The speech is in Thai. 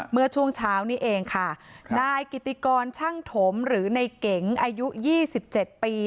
เมื่อช่วงเช้านี้เองค่ะนายกิติกรช่างถมหรือในเก๋งอายุยี่สิบเจ็ดปี